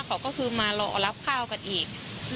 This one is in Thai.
เขาก็คือมารอรับข้าวกันอีก